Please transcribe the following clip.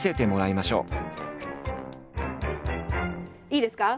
いいですか？